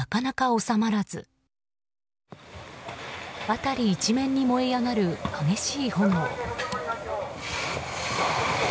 辺り一面に燃え上がる激しい炎。